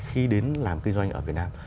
khi đến làm kinh doanh ở việt nam